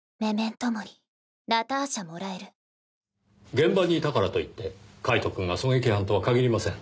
現場にいたからといってカイトくんが狙撃犯とは限りません。